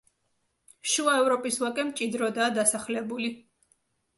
შუა ევროპის ვაკე მჭიდროდაა დასახლებული.